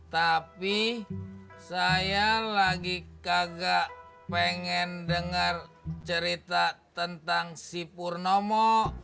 tapi saya lagi kagak pengen dengar cerita tentang si purnomo